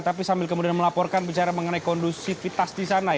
tapi sambil kemudian melaporkan bicara mengenai kondusivitas di sana